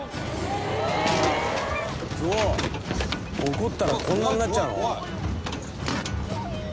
「怒ったらこんなになっちゃうの？」